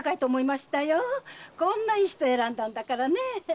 こんないい人選んだんだからねえ。